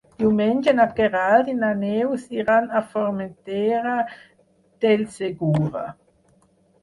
Diumenge na Queralt i na Neus iran a Formentera del Segura.